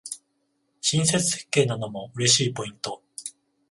親切設計なのも嬉しいポイント